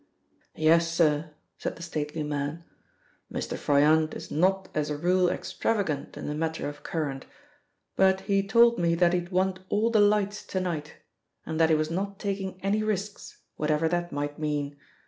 "Yes, sir," said the stately man. "Mr. Froyant is not as a rule extravagant in the matter of current. But he told me that he'd want all the lights to night, and that he was not taking any risks, whatever that might mean.